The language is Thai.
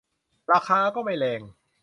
ราคาก็ไม่แรง